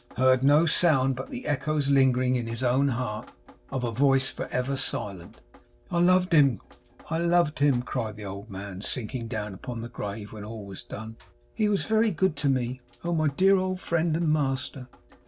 heard no sound but the echoes, lingering in his own heart, of a voice for ever silent. 'I loved him,' cried the old man, sinking down upon the grave when all was done. 'He was very good to me. Oh, my dear old friend and master!